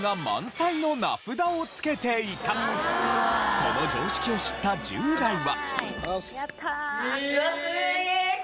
この常識を知った１０代は。